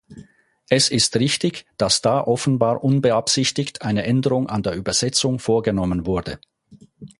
Es ist richtig, dass da offenbar unbeabsichtigt eine Änderung an der Übersetzung vorgenommen wurde.